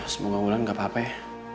semoga bulan gak apa apa ya